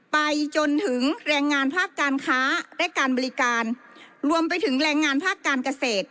ไปจนถึงแรงงานภาคการค้าและการบริการรวมไปถึงแรงงานภาคการเกษตร